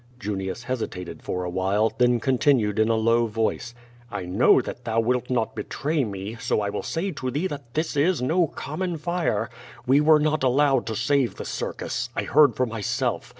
Junius hesitated for a while, then contin ued in a low voice: "I know that thou wilt not betray me, so I will S41V to thee that this is no common fire. Wc were not allowed to save the Circus. I heard for myself.